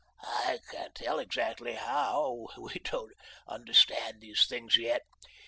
I can't tell exactly how. We don't understand these things yet.